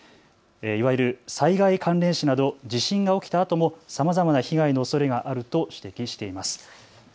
いわゆる災害関連死など地震が起きたあともさまざまな被害のおそれがあると指摘しています。